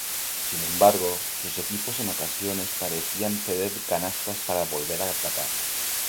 Sin embargo, sus equipos en ocasiones parecían ceder canastas para volver a atacar.